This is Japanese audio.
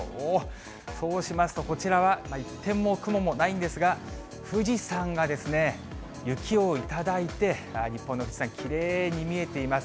そうしますとこちらは、一点の雲もないんですが、富士山が雪を頂いて、日本の富士山、きれいに見えています。